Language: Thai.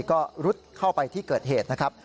ก็รุดเข้าไปที่เกิดเหตุนะครับ